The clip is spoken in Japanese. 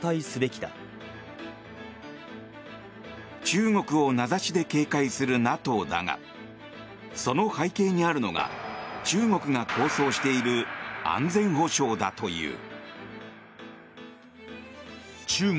中国を名指しで警戒するＮＡＴＯだがその背景にあるのが中国が構想している安全保障だという。